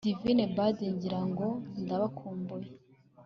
divine bard, ngira ngo ndakubonye